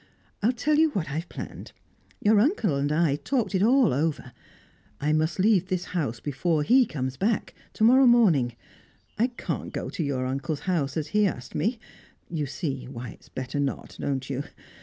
I'll tell you what I've planned; your uncle and I talked it all over. I must leave this house before he comes back, to morrow morning. I can't go to your uncle's house, as he asked me; you see why it is better not, don't you?